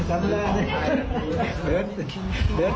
จริง